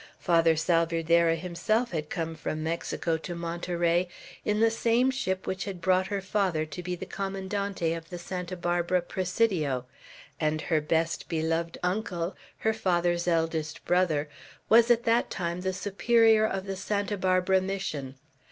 Father Salvierderra himself had come from Mexico to Monterey in the same ship which had brought her father to be the commandante of the Santa Barbara Presidio; and her best beloved uncle, her father's eldest brother, was at that time the Superior of the Santa Barbara Mission.